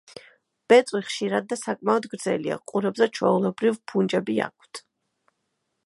ბეწვი ხშირი და საკმაოდ გრძელია, ყურებზე ჩვეულებრივ ფუნჯები აქვთ.